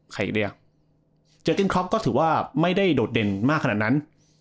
ใครเรียกเจติ้นครอปก็ถือว่าไม่ได้โดดเด่นมากขนาดนั้น